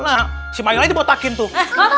nah si manila ini botakin tuh